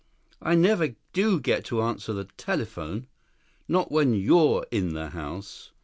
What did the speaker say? "I never do get to answer the telephone. Not when you're in the house."